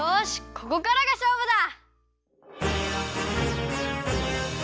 ここからがしょうぶだ！